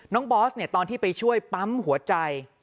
น้องบอสเนี่ยตอนที่ไปช่วยปั๊มหัวใจ